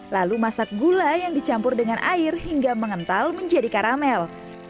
lalu masak gula yang dicampur dengan air hingga mengental menjadi karamel